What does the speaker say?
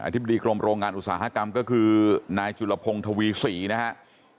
ธิบดีกรมโรงงานอุตสาหกรรมก็คือนายจุลพงศ์ทวีศรีนะครับ